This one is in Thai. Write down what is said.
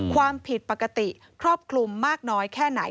ความผิดปกติครอบคลุมมากน้อยแค่ไหน